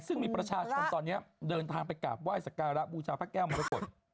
ซึ่งมีประชาชนตอนนี้เดินทางไปกราบไหว้สักการะบูชาพระแก้วมรกฏ